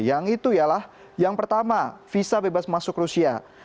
yang itu ialah yang pertama visa bebas masuk rusia